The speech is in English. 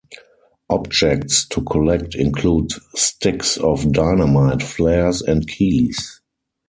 Objects to collect include sticks of dynamite, flares, and keys.